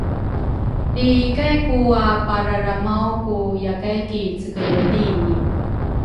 Lri ikay ku apararamaw ku yakay ki cekele lini